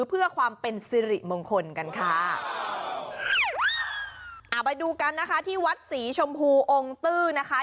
เพื่อความเป็นสิริมงคลกันค่ะอ่าไปดูกันนะคะที่วัดศรีชมพูองค์ตื้อนะคะ